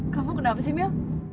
kamu kenapa sih mil